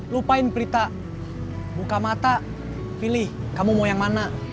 lupain prita buka mata pilih kamu mau yang mana